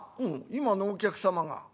「うん今のお客様が。